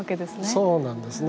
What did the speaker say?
そうなんですね。